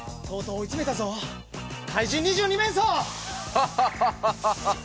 ハハハハ！